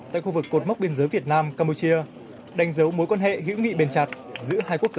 tại khu vực cột mốc biên giới việt nam campuchia đánh dấu mối quan hệ hữu nghị bền chặt giữa hai quốc gia